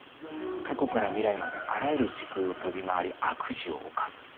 過去から未来まであらゆる時空を飛び回り悪事を犯す。